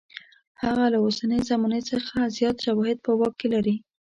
هغه له اوسنۍ زمانې څخه زیات شواهد په واک کې لري.